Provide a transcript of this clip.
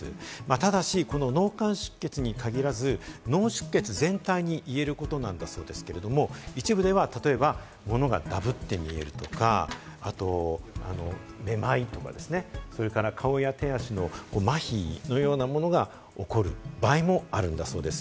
ただし、この脳幹出血に限らず、脳出血全体に言えることなんだそうですけれども、一部では例えば、ものがダブって見えるとか、あと、めまいとかですね、それから顔や手足の麻痺のようなものが起こる場合もあるんだそうです。